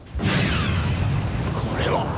これは！